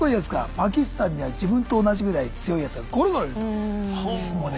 「パキスタンには自分と同じぐらい強いやつがゴロゴロいる」と。